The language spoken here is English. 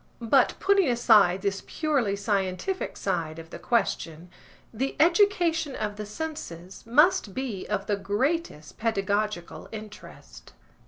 But putting aside this purely scientific side of the question, the education of the senses must be of the greatest pedagogical interest.